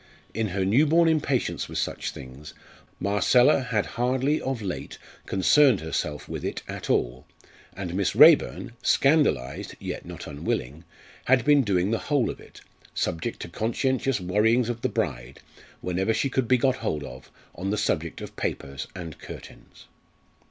In her new born impatience with such things, Marcella had hardly of late concerned herself with it at all, and Miss Raeburn, scandalised, yet not unwilling, had been doing the whole of it, subject to conscientious worryings of the bride, whenever she could be got hold of, on the subject of papers and curtains.